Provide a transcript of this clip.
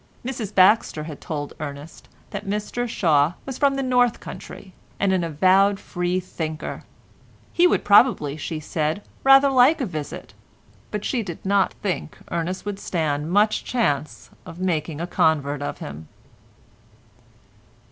Mrs Baxter had told Ernest that Mr Shaw was from the North Country, and an avowed freethinker; he would probably, she said, rather like a visit, but she did not think Ernest would stand much chance of making a convert of him.